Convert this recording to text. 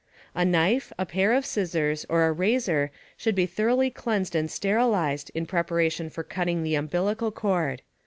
A knife, a pair of scissors, or a razor should be thoroughly cleansed and sterilized in preparation for cutting the umbilical cord.